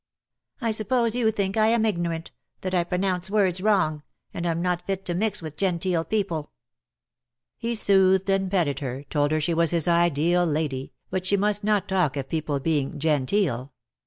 "I suppose you think I am ignorant, that I pro nounce words wrong, and am not fit to mix with genteel people." He soothed and petted her, told her she w^as his ideal lady, but she must not talk of people being "genteel."